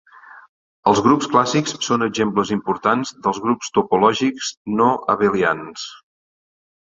Els grups clàssics són exemples importants de grups topològics no abelians.